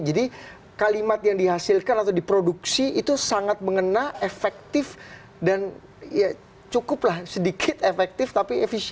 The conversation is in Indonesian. jadi kalimat yang dihasilkan atau diproduksi itu sangat mengena efektif dan ya cukup lah sedikit efektif tapi efisien gitu